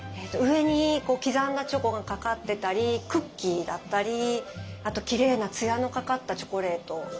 上に刻んだチョコがかかってたりクッキーだったりきれいなツヤのかかったチョコレート。